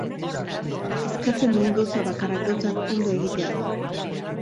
Eskatzen dugun gauza bakarra gauzak ondo egitea da.